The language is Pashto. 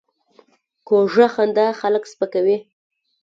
کوږه خندا خلک سپکوي